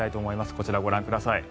こちら、ご覧ください。